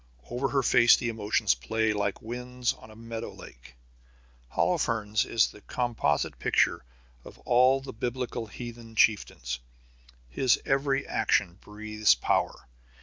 Over her face the emotions play like winds on a meadow lake. Holofernes is the composite picture of all the Biblical heathen chieftains. His every action breathes power.